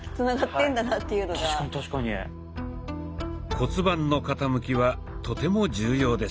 骨盤の傾きはとても重要です。